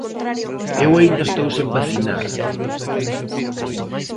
Eu aínda estou sen vacinar.